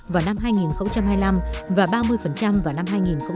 vào năm hai nghìn hai mươi năm và ba mươi vào năm hai nghìn ba mươi năm